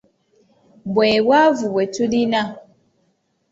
Bwe bwavu bwe tulina.